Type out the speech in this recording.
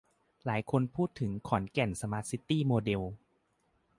หลายคนพูดถึงขอนแก่นสมาร์ตซิตี้โมเดล